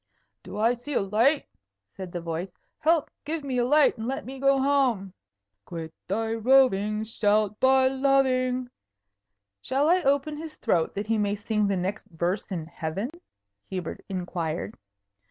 "Do I see a light?" said the voice. "Help! Give me a light, and let me go home. "Quit thy roving; Shalt by loving " "Shall I open his throat, that he may sing the next verse in heaven?" Hubert inquired.